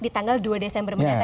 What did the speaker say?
di tanggal dua desember